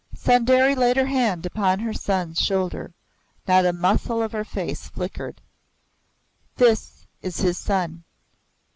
Sundari laid her hand upon her son's shoulder. Not a muscle of her face flickered. "This is his son."